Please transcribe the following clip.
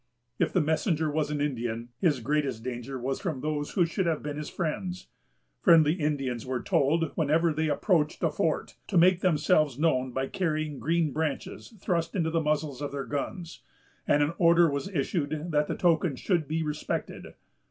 If the messenger was an Indian, his greatest danger was from those who should have been his friends. Friendly Indians were told, whenever they approached a fort, to make themselves known by carrying green branches thrust into the muzzles of their guns; and an order was issued that the token should be respected.